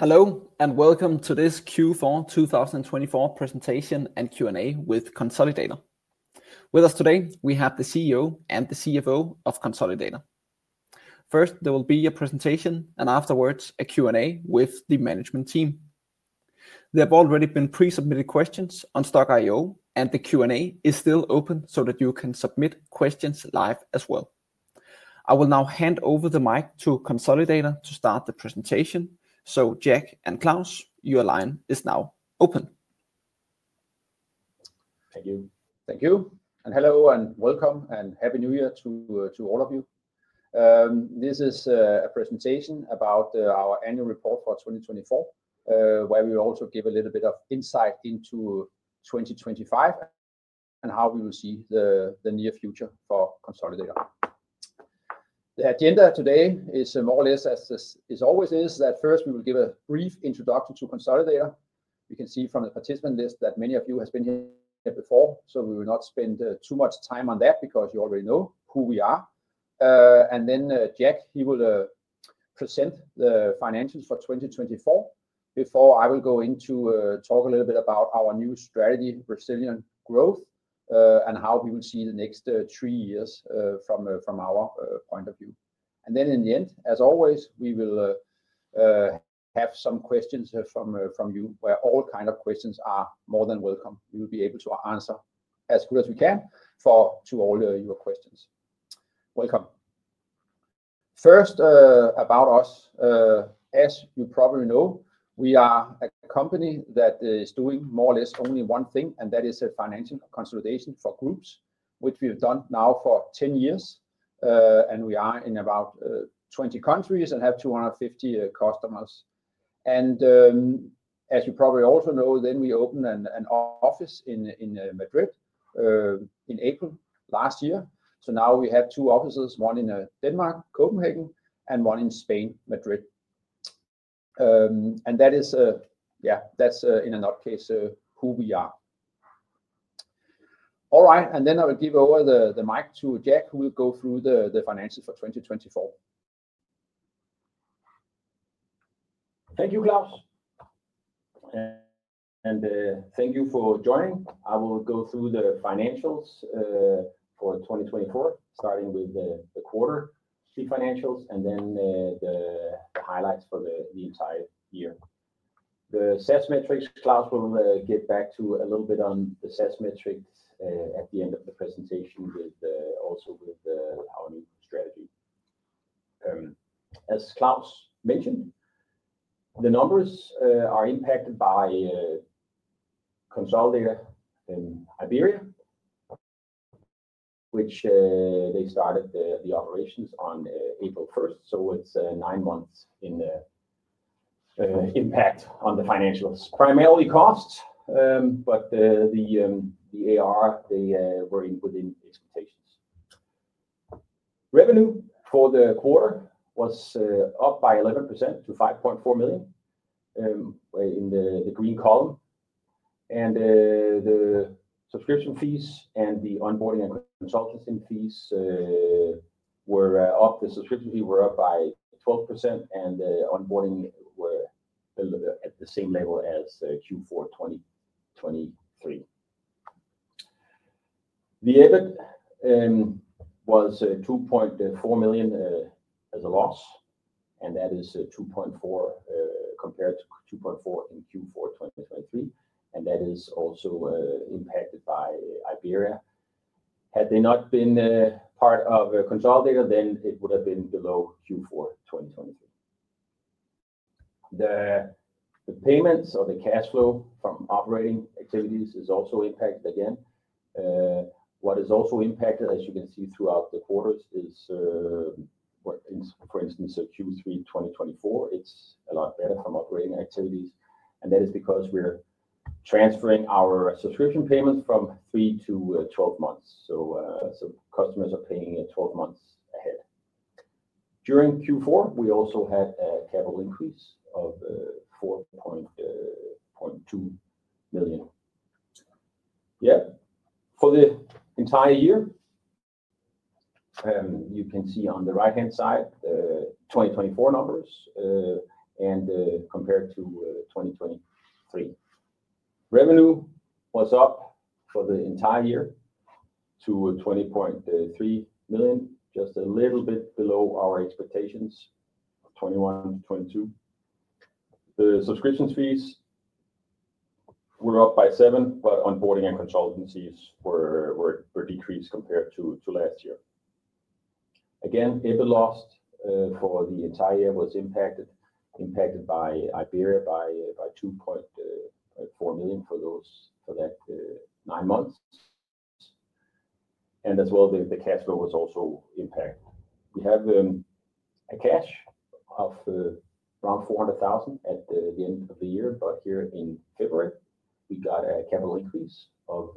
Hello and welcome to this Q4 2024 presentation and Q&A with Konsolidator. With us today, we have the CEO and the CFO of Konsolidator. First, there will be a presentation and afterwards a Q&A with the management team. There have already been pre-submitted questions on Stokk.io, and the Q&A is still open so that you can submit questions live as well. I will now hand over the mic to Konsolidator to start the presentation. Jack and Claus, your line is now open. Thank you. Thank you. Hello and welcome and happy new year to all of you. This is a presentation about our annual report for 2024, where we also give a little bit of insight into 2025 and how we will see the near future for Konsolidator. The agenda today is more or less as it always is, that first we will give a brief introduction to Konsolidator. You can see from the participant list that many of you have been here before, so we will not spend too much time on that because you already know who we are. Jack will present the financials for 2024 before I will go into talk a little bit about our new strategy, resilient growth, and how we will see the next three years from our point of view. Then in the end, as always, we will have some questions from you, where all kinds of questions are more than welcome. We will be able to answer as good as we can to all your questions. Welcome. First, about us. As you probably know, we are a company that is doing more or less only one thing, and that is financial consolidation for groups, which we have done now for 10 years. We are in about 20 countries and have 250 customers. As you probably also know, we opened an office in Madrid in April last year. Now we have two offices, one in Denmark, Copenhagen, and one in Spain, Madrid. That is, yeah, that's in a nutcase who we are. All right, I will give over the mic to Jack, who will go through the financials for 2024. Thank you, Claus. Thank you for joining. I will go through the financials for 2024, starting with the quarter three financials and then the highlights for the entire year. The SaaS metrics, Claus will get back to a little bit on the SaaS metrics at the end of the presentation also with our new strategy. As Claus mentioned, the numbers are impacted by Konsolidator and Iberia, which started the operations on April 1st, so it is nine months in impact on the financials, primarily costs, but the ARR, they were in within expectations. Revenue for the quarter was up by 11% to 5.4 million in the green column. The subscription fees and the onboarding and consulting fees were up. The subscription fees were up by 12%, and the onboarding were at the same level as Q4 2023. The EBIT was 2.4 million as a loss, and that is 2.4 million compared to 2.4 million in Q4 2023. That is also impacted by Iberia. Had they not been part of Konsolidator, then it would have been below Q4 2023. The payments or the cash flow from operating activities is also impacted again. What is also impacted, as you can see throughout the quarters, is for instance, Q3 2024, it's a lot better from operating activities. That is because we're transferring our subscription payments from three to twelve months. Customers are paying twelve months ahead. During Q4, we also had a capital increase of 4.2 million. For the entire year, you can see on the right-hand side the 2024 numbers and compared to 2023. Revenue was up for the entire year to 20.3 million, just a little bit below our expectations of 21 million-22 million. The subscriptions fees were up by seven, but onboarding and consultancies were decreased compared to last year. Again, EBIT loss for the entire year was impacted by Iberia by 2.4 million for that nine months. The cash flow was also impacted. We have a cash of around 400,000 at the end of the year, but here in February, we got a capital increase of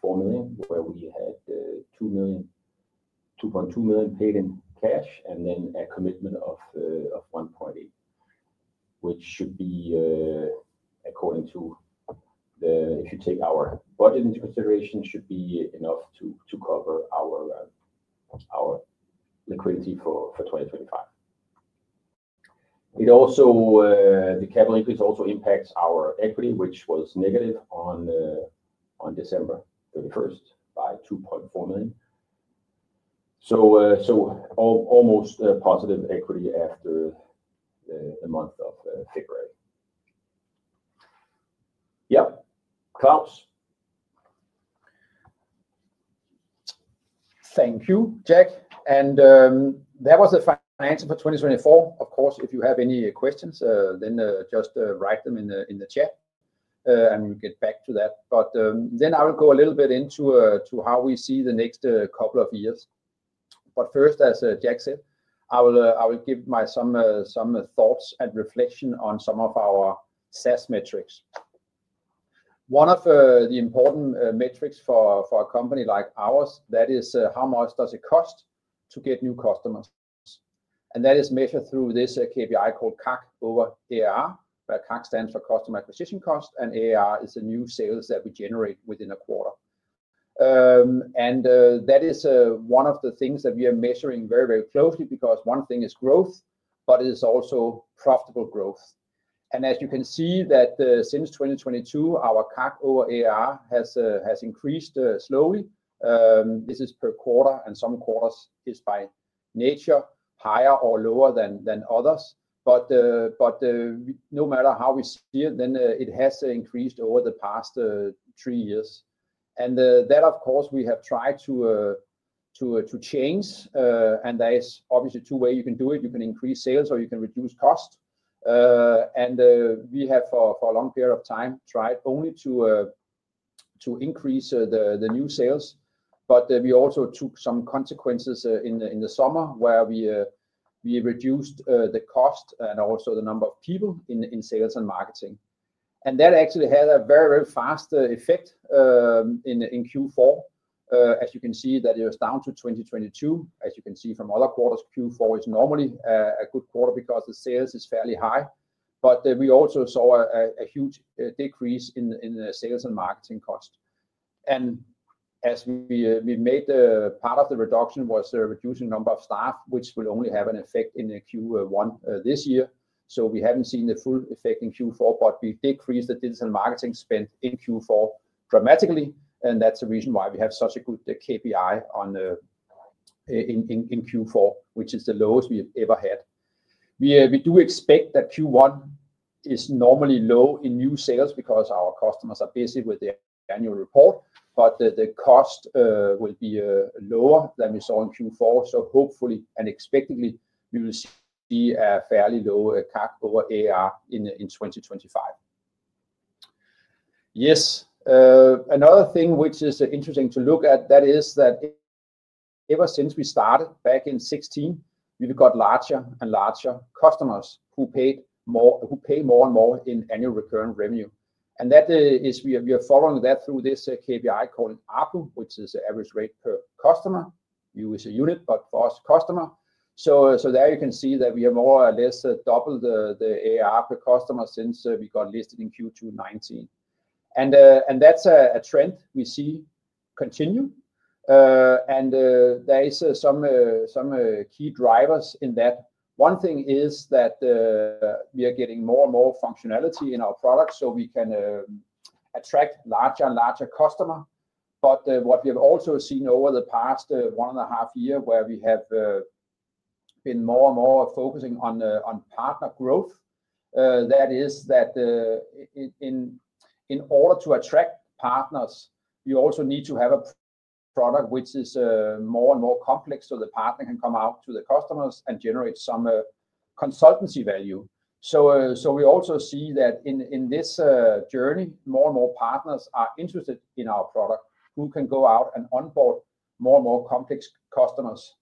4 million, where we had 2.2 million paid in cash and then a commitment of 1.8 million, which should be, if you take our budget into consideration, enough to cover our liquidity for 2025. The capital increase also impacts our equity, which was negative on December 31st by 2.4 million. Almost positive equity after the month of February. Yeah, Claus. Thank you, Jack. That was the financial for 2024. Of course, if you have any questions, just write them in the chat and we'll get back to that. I will go a little bit into how we see the next couple of years. First, as Jack said, I will give my some thoughts and reflection on some of our SaaS metrics. One of the important metrics for a company like ours is how much does it cost to get new customers. That is measured through this KPI called CAC over AR, where CAC stands for customer acquisition cost, and AR is the new sales that we generate within a quarter. That is one of the things that we are measuring very, very closely because one thing is growth, but it is also profitable growth. As you can see that since 2022, our CAC over AR has increased slowly. This is per quarter, and some quarters is by nature higher or lower than others. No matter how we see it, then it has increased over the past three years. That, of course, we have tried to change. There is obviously two ways you can do it. You can increase sales or you can reduce cost. We have for a long period of time tried only to increase the new sales. We also took some consequences in the summer where we reduced the cost and also the number of people in sales and marketing. That actually had a very, very fast effect in Q4. As you can see that it was down to 2022. As you can see from other quarters, Q4 is normally a good quarter because the sales is fairly high. We also saw a huge decrease in sales and marketing cost. As we made part of the reduction was reducing the number of staff, which will only have an effect in Q1 this year. We have not seen the full effect in Q4, but we decreased the digital marketing spend in Q4 dramatically. That is the reason why we have such a good KPI in Q4, which is the lowest we have ever had. We do expect that Q1 is normally low in new sales because our customers are busy with their annual report, but the cost will be lower than we saw in Q4. Hopefully and expectedly, we will see a fairly low CAC over AR in 2025. Yes, another thing which is interesting to look at, that is that ever since we started back in 2016, we've got larger and larger customers who pay more and more in annual recurring revenue. That is, we are following that through this KPI called ARPU, which is the average rate per customer, user unit, but for us customer. There you can see that we have more or less doubled the AR per customer since we got listed in Q2 2019. That's a trend we see continue. There are some key drivers in that. One thing is that we are getting more and more functionality in our products so we can attract larger and larger customers. What we have also seen over the past one and a half year where we have been more and more focusing on partner growth is that in order to attract partners, you also need to have a product which is more and more complex so the partner can come out to the customers and generate some consultancy value. We also see that in this journey, more and more partners are interested in our product who can go out and onboard more and more complex customers.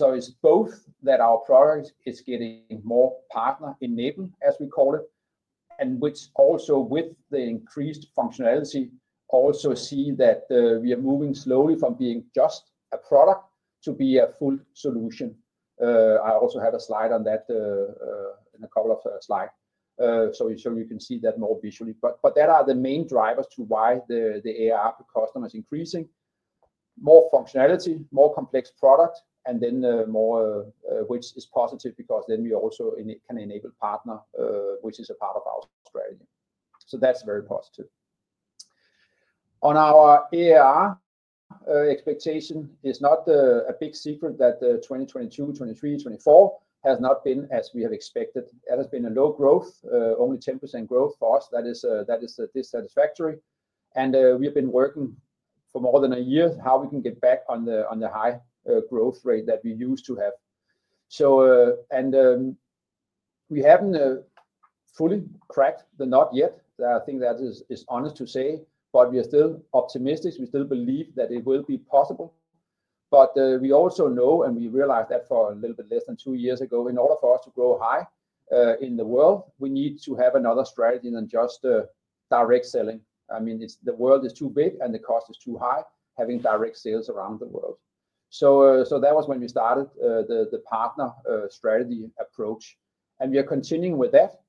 It is both that our product is getting more partner enabled, as we call it, and with the increased functionality we also see that we are moving slowly from being just a product to be a full solution. I also have a slide on that in a couple of slides. You can see that more visually. That are the main drivers to why the AR per customer is increasing. More functionality, more complex product, and then more which is positive because then we also can enable partner, which is a part of our strategy. That is very positive. On our AR expectation, it's not a big secret that 2022, 2023, 2024 has not been as we have expected. That has been a low growth, only 10% growth for us. That is dissatisfactory. We have been working for more than a year how we can get back on the high growth rate that we used to have. We haven't fully cracked the knot yet. I think that is honest to say, but we are still optimistic. We still believe that it will be possible. We also know and we realized that for a little bit less than two years ago, in order for us to grow high in the world, we need to have another strategy than just direct selling. I mean, the world is too big and the cost is too high having direct sales around the world. That was when we started the partner strategy approach. We are continuing with that.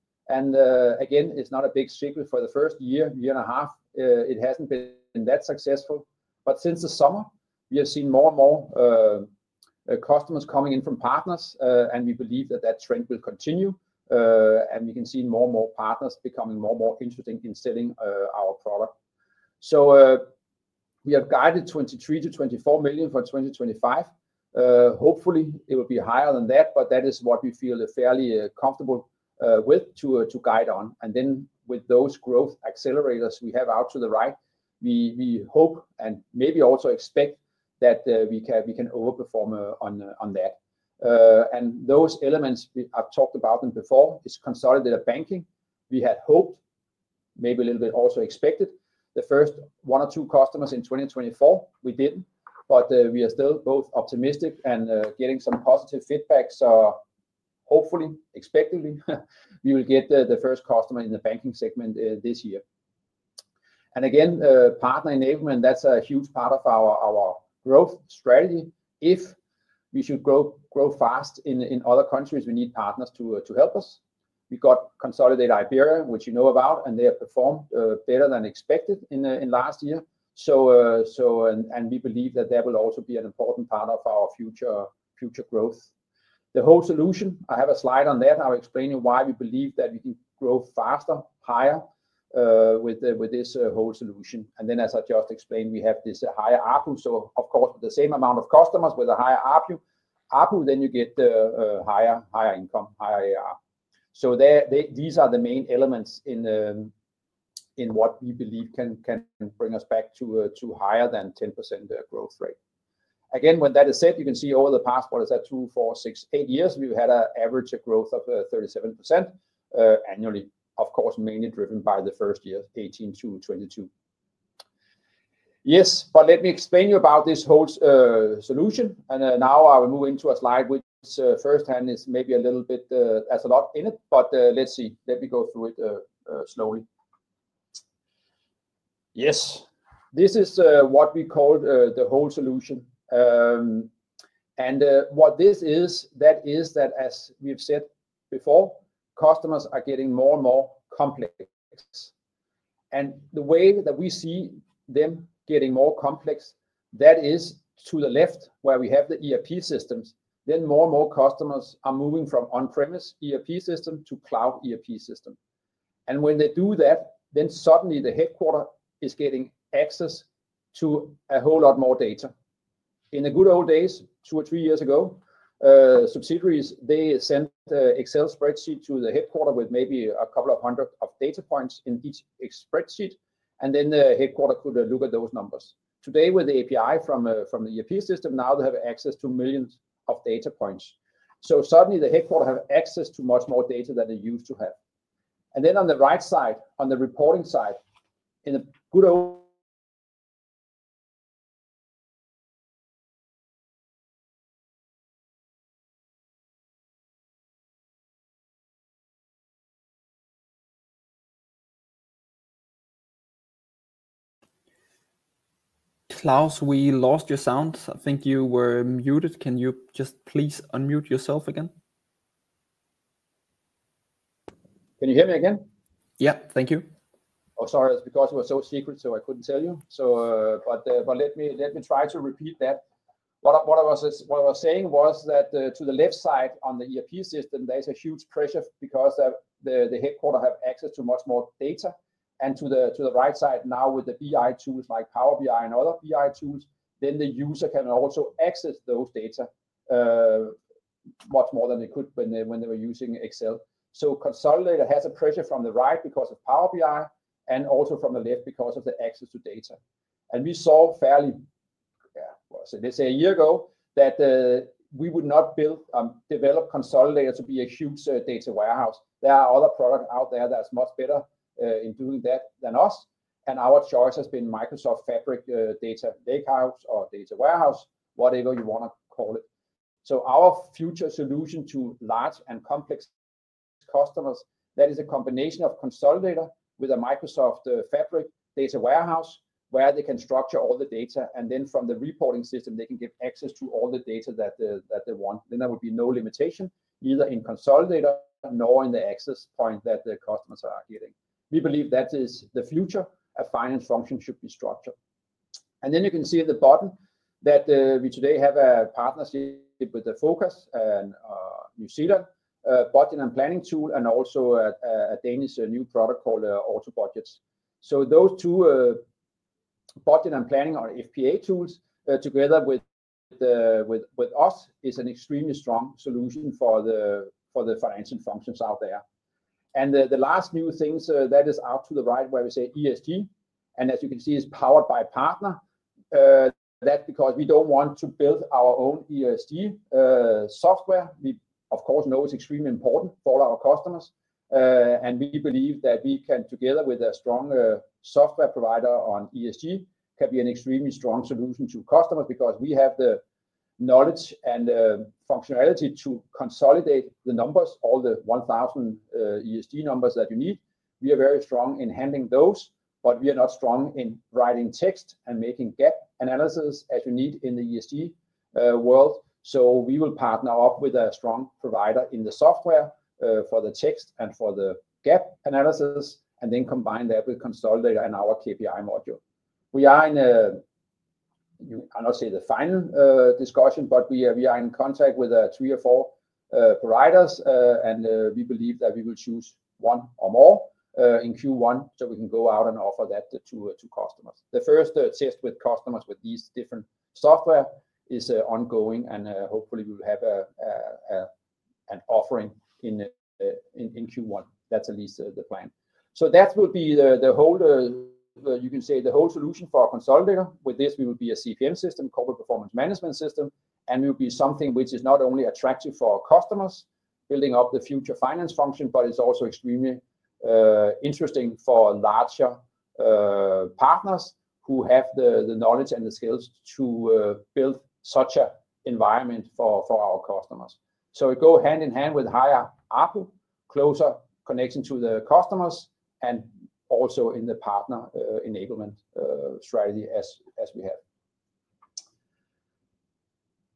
Again, it's not a big secret. For the first year, year and a half, it hasn't been that successful. Since the summer, we have seen more and more customers coming in from partners. We believe that that trend will continue. We can see more and more partners becoming more and more interested in selling our product. We have guided 23 million-24 million for 2025. Hopefully, it will be higher than that, but that is what we feel fairly comfortable with to guide on. With those growth accelerators we have out to the right, we hope and maybe also expect that we can overperform on that. Those elements, I've talked about them before, are Konsolidator banking. We had hoped, maybe a little bit also expected, the first one or two customers in 2024. We did not, but we are still both optimistic and getting some positive feedback. Hopefully, expectedly, we will get the first customer in the banking segment this year. Partner enablement, that's a huge part of our growth strategy. If we should grow fast in other countries, we need partners to help us. We got Konsolidator Iberia, which you know about, and they have performed better than expected in last year. We believe that that will also be an important part of our future growth. The whole solution, I have a slide on that. I'll explain to you why we believe that we can grow faster, higher with this whole solution. As I just explained, we have this higher ARPU. Of course, with the same amount of customers, with a higher ARPU, then you get higher income, higher AR. These are the main elements in what we believe can bring us back to higher than 10% growth rate. Again, when that is said, you can see over the past, what is that, two, four, six, eight years, we've had an average growth of 37% annually, of course, mainly driven by the first year, 2018-2022. Yes, but let me explain to you about this whole solution. I will move into a slide which firsthand is maybe a little bit has a lot in it, but let's see. Let me go through it slowly. Yes, this is what we called the whole solution. What this is, that is that as we've said before, customers are getting more and more complex. The way that we see them getting more complex, that is to the left where we have the ERP systems, then more and more customers are moving from on-premise ERP system to cloud ERP system. When they do that, suddenly the headquarter is getting access to a whole lot more data. In the good old days, two or three years ago, subsidiaries, they sent an Excel spreadsheet to the headquarter with maybe a couple of hundreds of data points in each spreadsheet. The headquarter could look at those numbers. Today, with the API from the ERP system, now they have access to millions of data points. Suddenly the headquarter have access to much more data than they used to have. Then on the right side, on the reporting side, in a good old. Claus, we lost your sound. I think you were muted. Can you just please unmute yourself again? Can you hear me again? Yeah, thank you. Oh, sorry. It's because it was so secret, so I couldn't tell you. Let me try to repeat that. What I was saying was that to the left side on the ERP system, there is a huge pressure because the headquarter have access to much more data. To the right side now with the BI tools like Power BI and other BI tools, the user can also access those data much more than they could when they were using Excel. Konsolidator has a pressure from the right because of Power BI and also from the left because of the access to data. We saw fairly, let's say a year ago, that we would not develop Konsolidator to be a huge data warehouse. There are other products out there that are much better in doing that than us. Our choice has been Microsoft Fabric Data Lakehouse or Data Warehouse, whatever you want to call it. Our future solution to large and complex customers is a combination of Konsolidator with a Microsoft Fabric Data Warehouse where they can structure all the data. From the reporting system, they can get access to all the data that they want. There will be no limitation either in Konsolidator nor in the access point that the customers are getting. We believe that is the future. A finance function should be structured. You can see at the bottom that we today have a partnership with the Phocas and New Zealand budget and planning tool and also a Danish new product called AutoBudgets. Those two budget and planning or FP&A tools together with us is an extremely strong solution for the financial functions out there. The last new things that is out to the right where we say ESG. As you can see, it's powered by partner. That's because we don't want to build our own ESG software. We, of course, know it's extremely important for our customers. We believe that we can together with a strong software provider on ESG can be an extremely strong solution to customers because we have the knowledge and functionality to consolidate the numbers, all the 1,000 ESG numbers that you need. We are very strong in handling those, but we are not strong in writing text and making gap analysis as you need in the ESG world. We will partner up with a strong provider in the software for the text and for the gap analysis and then combine that with Konsolidator and our KPI module. We are in, I'll not say the final discussion, but we are in contact with three or four providers. We believe that we will choose one or more in Q1 so we can go out and offer that to customers. The first test with customers with these different software is ongoing. Hopefully, we will have an offering in Q1. That's at least the plan. That will be the whole, you can say the whole solution for Konsolidator. With this, we will be a CPM system, corporate performance management system. We will be something which is not only attractive for our customers, building up the future finance function, but it's also extremely interesting for larger partners who have the knowledge and the skills to build such an environment for our customers. It goes hand in hand with higher ARPU, closer connection to the customers, and also in the partner enablement strategy as we have.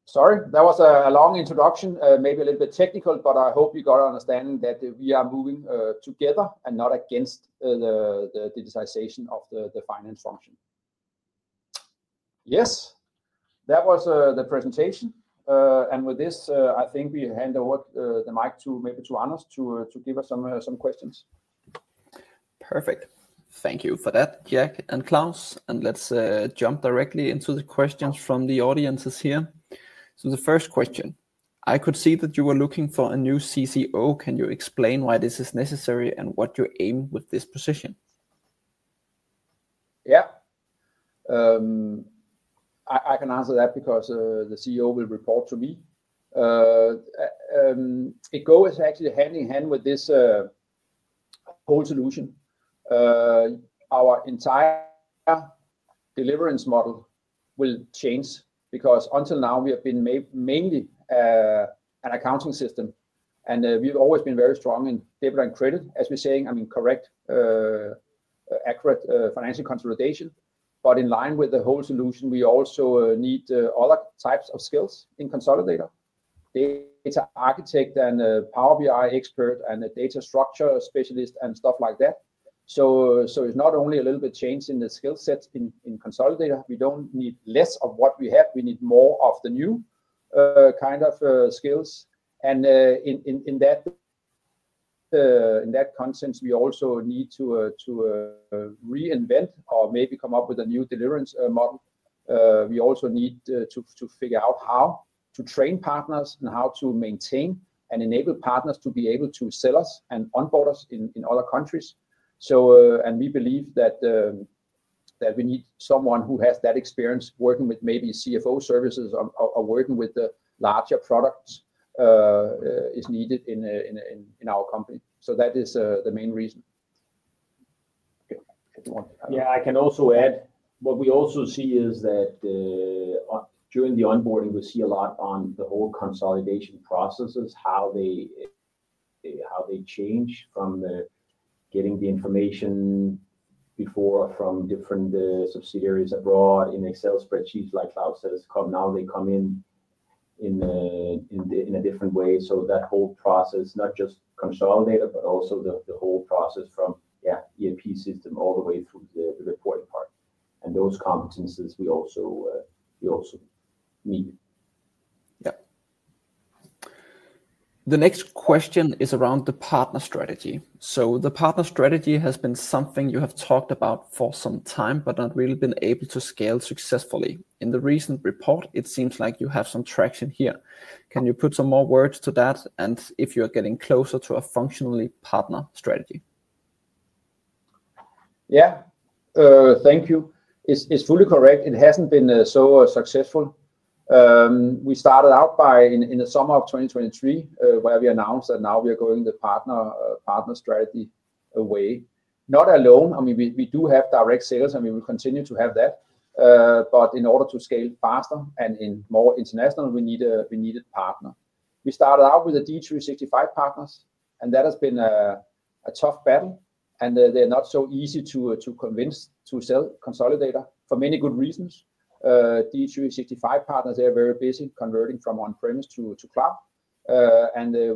Sorry, that was a long introduction, maybe a little bit technical, but I hope you got an understanding that we are moving together and not against the digitization of the finance function. Yes, that was the presentation. With this, I think we hand over the mic to maybe to Anders to give us some questions. Perfect. Thank you for that, Jack and Claus. Let's jump directly into the questions from the audiences here. The first question, I could see that you were looking for a new CCO. Can you explain why this is necessary and what your aim with this position? Yeah. I can answer that because the CEO will report to me. It goes actually hand in hand with this whole solution. Our entire deliverance model will change because until now, we have been mainly an accounting system. And we've always been very strong in debtor and credit, as we're saying, I mean, correct, accurate financial consolidation. In line with the whole solution, we also need other types of skills in Konsolidator, data architect and Power BI expert and data structure specialist and stuff like that. It is not only a little bit change in the skill set in Konsolidator. We do not need less of what we have. We need more of the new kind of skills. In that context, we also need to reinvent or maybe come up with a new deliverance model. We also need to figure out how to train partners and how to maintain and enable partners to be able to sell us and onboard us in other countries. We believe that we need someone who has that experience working with maybe CFO services or working with the larger products is needed in our company. That is the main reason. Yeah, I can also add what we also see is that during the onboarding, we see a lot on the whole consolidation processes, how they change from getting the information before from different subsidiaries abroad in Excel spreadsheets like Cloud Cells. Now they come in a different way. That whole process, not just consolidated, but also the whole process from ERP system all the way through the reporting part. Those competencies we also need. Yeah. The next question is around the partner strategy. The partner strategy has been something you have talked about for some time, but not really been able to scale successfully. In the recent report, it seems like you have some traction here. Can you put some more words to that? If you're getting closer to a functionally partner strategy? Yeah, thank you. It's fully correct. It hasn't been so successful. We started out in the summer of 2023 where we announced that now we are going the partner strategy way. Not alone. I mean, we do have direct sales, and we will continue to have that. In order to scale faster and in more international, we need a partner. We started out with the D365 partners, and that has been a tough battle. They're not so easy to convince to sell Konsolidator for many good reasons. D365 partners, they are very busy converting from on-premise to cloud.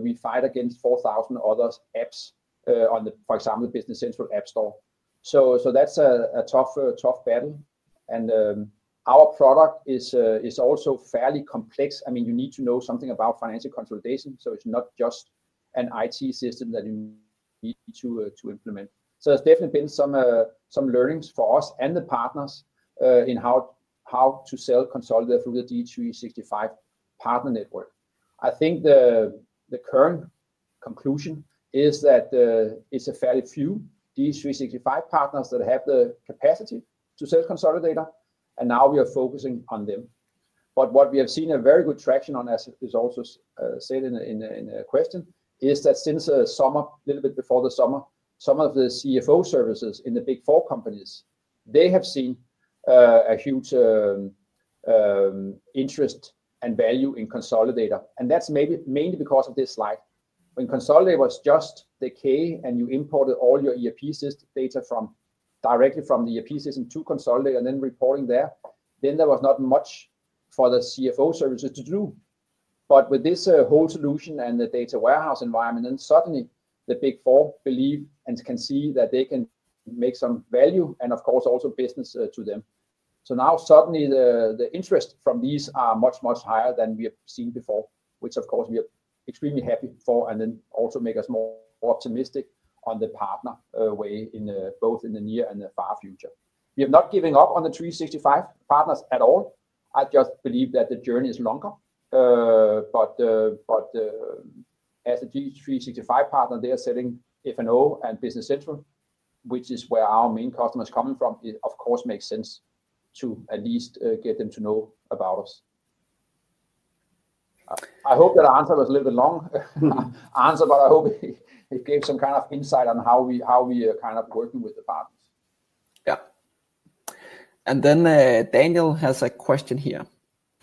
We fight against 4,000 other apps on the, for example, Business Central App Store. That's a tough battle. Our product is also fairly complex. I mean, you need to know something about financial consolidation. It's not just an IT system that you need to implement. There has definitely been some learnings for us and the partners in how to sell Konsolidator through the D365 partner network. I think the current conclusion is that it's a fairly few D365 partners that have the capacity to sell Konsolidator. We are focusing on them. What we have seen very good traction on, as is also said in a question, is that since summer, a little bit before the summer, some of the CFO services in the Big Four companies have seen a huge interest and value in Konsolidator. That's maybe mainly because of this slide. When Konsolidator was just the K and you imported all your ERP data directly from the ERP system to Konsolidator and then reporting there, then there was not much for the CFO services to do. With this whole solution and the data warehouse environment, suddenly the Big Four believe and can see that they can make some value and, of course, also business to them. Now suddenly the interest from these is much, much higher than we have seen before, which, of course, we are extremely happy for and also makes us more optimistic on the partner way in both the near and the far future. We are not giving up on the 365 partners at all. I just believe that the journey is longer. As a D365 partner, they are selling F&O and Business Central, which is where our main customers are coming from, of course, makes sense to at least get them to know about us. I hope that answer was a little bit long answer, but I hope it gave some kind of insight on how we are kind of working with the partners. Yeah. Daniel has a question here.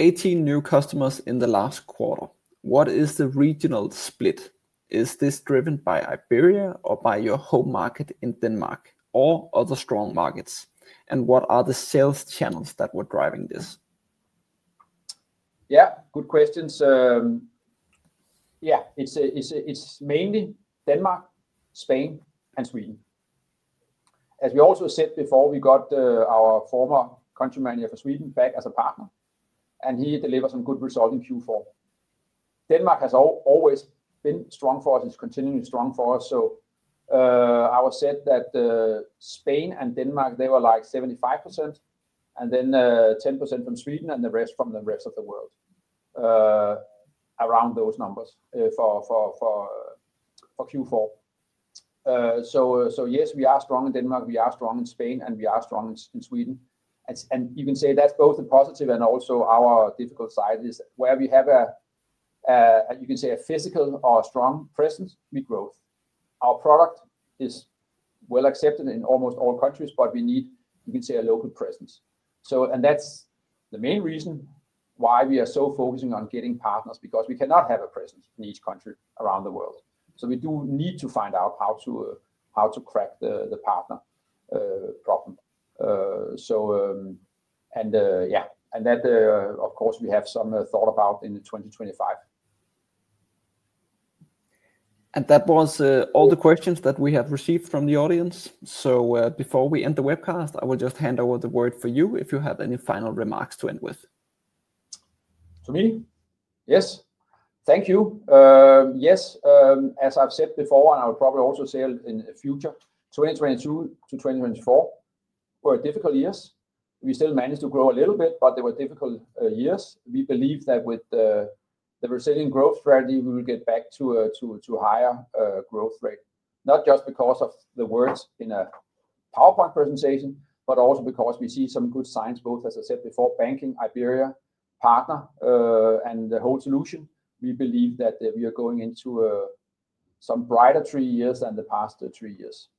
Eighteen new customers in the last quarter. What is the regional split? Is this driven by Iberia or by your home market in Denmark or other strong markets? What are the sales channels that were driving this? Yeah, good questions. Yeah, it's mainly Denmark, Spain, and Sweden. As we also said before, we got our former country manager for Sweden back as a partner, and he delivers some good result in Q4. Denmark has always been strong for us, is continually strong for us. I was said that Spain and Denmark, they were like 75% and then 10% from Sweden and the rest from the rest of the world around those numbers for Q4. Yes, we are strong in Denmark. We are strong in Spain, and we are strong in Sweden. You can say that's both the positive and also our difficult side is where we have a, you can say, a physical or strong presence with growth. Our product is well accepted in almost all countries, but we need, you can say, a local presence. That's the main reason why we are so focusing on getting partners because we cannot have a presence in each country around the world. We do need to find out how to crack the partner problem. Yeah, and that, of course, we have some thought about in 2025. That was all the questions that we have received from the audience. Before we end the webcast, I will just hand over the word for you if you have any final remarks to end with. To me? Yes. Thank you. Yes, as I've said before, and I'll probably also say in the future, 2022-2024 were difficult years. We still managed to grow a little bit, but they were difficult years. We believe that with the resilient growth strategy, we will get back to a higher growth rate, not just because of the words in a PowerPoint presentation, but also because we see some good signs, both, as I said before, banking, Iberia partner, and the whole solution. We believe that we are going into some brighter three years than the past three years.